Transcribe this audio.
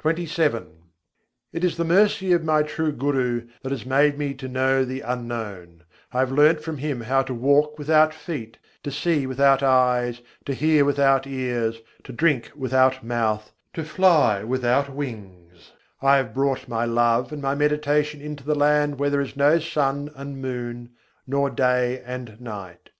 XXVII II. 81. satgur sôî dayâ kar dînhâ It is the mercy of my true Guru that has made me to know the unknown; I have learned from Him how to walk without feet, to see without eyes, to hear without ears, to drink without mouth, to fly without wings; I have brought my love and my meditation into the land where there is no sun and moon, nor day and night.